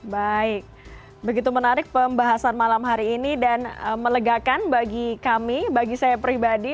baik begitu menarik pembahasan malam hari ini dan melegakan bagi kami bagi saya pribadi